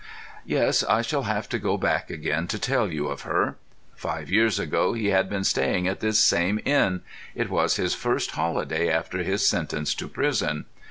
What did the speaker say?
Yes, I shall have to go back again to tell you of her. Five years ago he had been staying at this same inn; it was his first holiday after his sentence to prison.